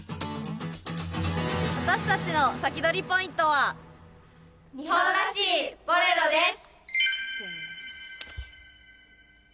私たちの先取りポイントは日本らしいボレロです。